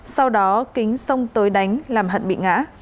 sau đó kính xông tới đánh làm hận bị ngã